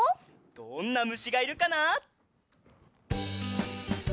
どんなむしがいるかな？